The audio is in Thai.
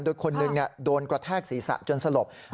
โดยคนหนึ่งโดนกระแทกศีรษะจนสลบ